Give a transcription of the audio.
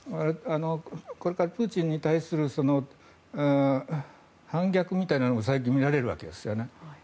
これからプーチンに対する反逆みたいなのも最近、見られるわけですよね。